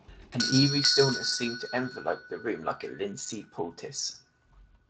An eerie stillness seemed to envelop the room like a linseed poultice.